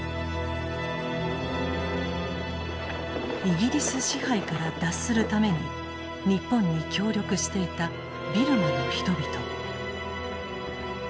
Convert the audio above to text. イギリス支配から脱するために日本に協力していたビルマの人々。